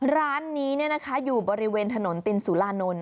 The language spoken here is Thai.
ร้านนี้อยู่บริเวณถนนตินสุรานนท์